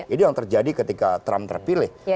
itu yang terjadi ketika trump terpilih